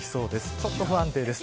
ちょっと不安定です。